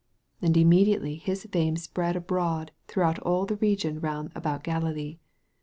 28 And immediately his fame spread abroad throughout all the region round about Galilee.